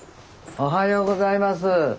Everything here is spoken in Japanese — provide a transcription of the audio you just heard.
おはようございます。